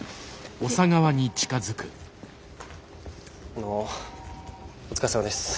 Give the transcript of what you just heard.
あのお疲れさまです。